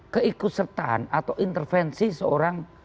keikutsertaan atau intervensi seorang